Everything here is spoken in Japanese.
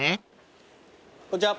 こんにちは。